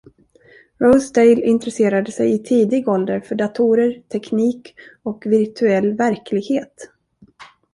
Rosedale intresserade sig i tidig ålder för datorer, teknik och virtuell verklighet.